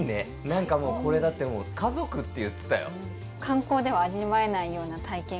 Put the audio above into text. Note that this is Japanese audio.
何かもうこれだってもう家族って言ってたよ。